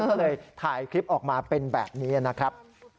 ก็เลยถ่ายคลิปออกมาเป็นแบบนี้นะครับ